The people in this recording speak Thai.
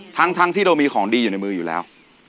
ทั้งที่เรามีของดีอยู่ในมืออยู่แล้ว